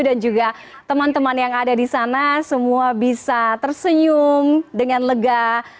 dan juga teman teman yang ada di sana semua bisa tersenyum dengan lega